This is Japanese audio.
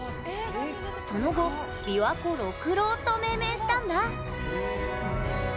その後「琵琶湖六郎」と命名したんだ。